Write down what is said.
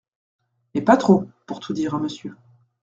—Mais pas trop, pour tout dire à monsieur.